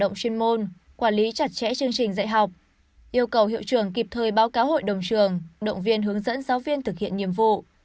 động chuyên môn quản lý chặt chẽ chương trình dạy học yêu cầu hiệu trường kịp thời báo cáo hội đồng trường động viên hướng dẫn giáo viên thực hiện nhiệm vụ